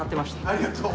ありがとう！